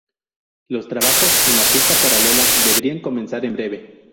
Los trabajos en la pista paralela deberían comenzar en breve.